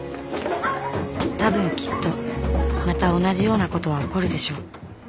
多分きっとまた同じようなことは起こるでしょう。